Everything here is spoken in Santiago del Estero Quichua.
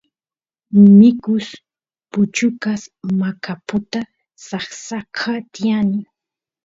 mikus puchukas maqaputa saksaqa tiyani